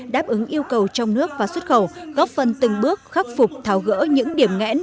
đáp ứng yêu cầu trong nước và xuất khẩu góp phân từng bước khắc phục thảo gỡ những điểm ngãn